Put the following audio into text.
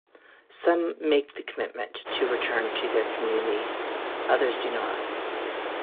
Some make the commitment to return to their communities, others do not.